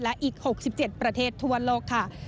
และอีก๖๗ประเทศทั่วโลกค่ะ